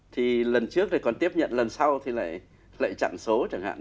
thì lần trước còn tiếp nhận lần sau thì lại chặn số chẳng hạn